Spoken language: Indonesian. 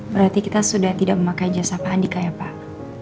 berarti kita sudah tidak memakai jasa pak andika ya pak